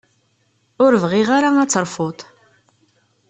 Ur bɣiɣ ara ad terfuḍ.